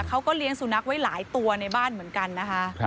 เขาก็เลี้ยงสุนัขไว้หลายตัวในบ้านเหมือนกันนะคะ